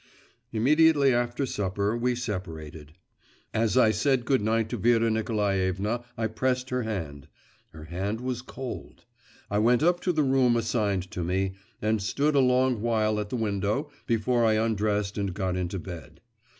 Immediately after supper we separated. As I said good night to Vera Nikolaevna I pressed her hand; her hand was cold. I went up to the room assigned to me, and stood a long while at the window before I undressed and got into bed.